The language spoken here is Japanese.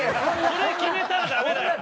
それ決めたらダメだよ。